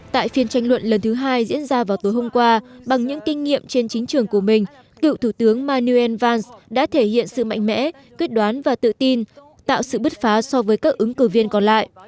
tại phiên tranh luận lần thứ hai diễn ra vào tối hôm qua bằng những kinh nghiệm trên chính trường của mình cựu thủ tướng manuel vans đã thể hiện sự mạnh mẽ quyết đoán và tự tin tạo sự bứt phá so với các ứng cử viên còn lại